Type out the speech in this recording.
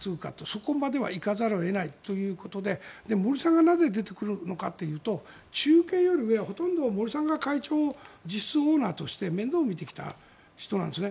そこまではいかざるを得ないということで森さんがなぜ出てくるのかというと中堅より上はほとんど森さんが会長、実質オーナーとして面倒を見てきた人なんです。